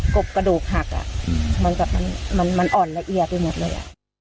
กบกระดูกหักมันอ่อนละเอียดไปหมดเลย